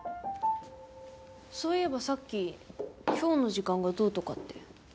そういえばさっき今日の時間がどうとかって。